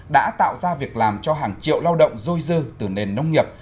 đã tạo ra việc làm cho hàng triệu lao động dôi dư từ nền nông nghiệp